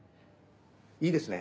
いいですね？